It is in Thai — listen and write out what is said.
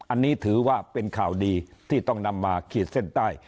อันนี้ถือว่าเป็นข่าวดีที่ต้องนำมาขีดเส้นใต้